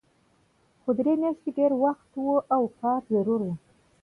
خو درې میاشتې ډېر وخت و او کار ضرور و